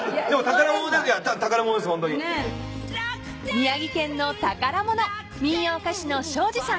［宮城県の宝物民謡歌手の庄司さん］